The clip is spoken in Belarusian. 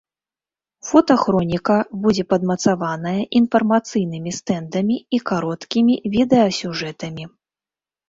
Фотахроніка будзе падмацаваная інфармацыйнымі стэндамі і кароткімі відэасюжэтамі.